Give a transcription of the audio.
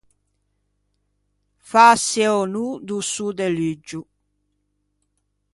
Fâse önô do sô de luggio.